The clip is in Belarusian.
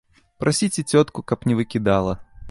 Прасіце цётку, каб не выкідала.